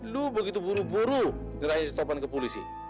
lu begitu buru buru ngerahin si topan ke polisi